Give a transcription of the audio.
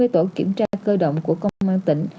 hai mươi tổ kiểm tra cơ động của công an tỉnh